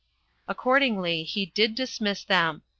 Accordingly, he did dismiss them.